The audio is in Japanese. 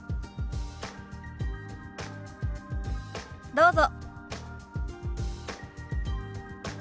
どうぞ。